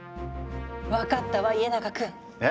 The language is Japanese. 分かったわ家長くん。え？